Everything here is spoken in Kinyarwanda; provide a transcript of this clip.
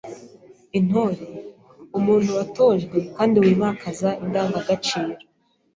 Intore: Umuntu watojwe kandi wimakaza indangagaciro